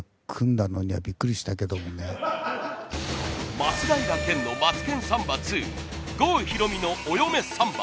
松平健の『マツケンサンバⅡ』郷ひろみの『お嫁サンバ』。